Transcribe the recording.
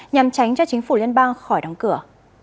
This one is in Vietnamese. nhằm tránh cho chính phủ liên bang khỏi đóng cửa